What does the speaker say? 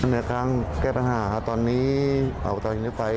ในการแก้ปัญหาตอนนี้อบทยิงนิษฐ์ไฟ